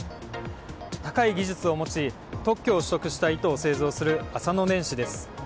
高い技術を持ち特許を取得した糸を製造する浅野ねん糸です。